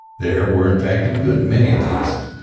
There were, in fact, a good many of these.